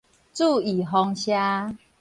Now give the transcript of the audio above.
注預防射